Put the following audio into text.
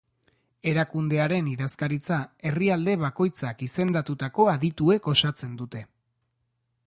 Erakundearen idazkaritza herrialde bakoitzak izendatutako adituek osatzen dute.